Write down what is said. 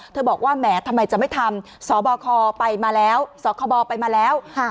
บอกว่าแหมทำไมจะไม่ทำสบคไปมาแล้วสคบไปมาแล้ว